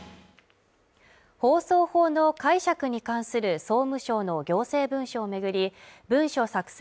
放送法の解釈に関する総務省の行政文書を巡り文書作成